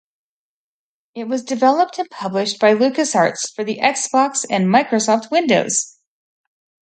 It was developed and published by LucasArts for the Xbox and Microsoft Windows.